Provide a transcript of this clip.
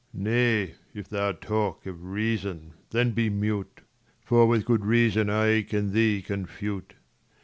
Nay, if thou talk of reason, then be mute ; For with good reason I can thee confute.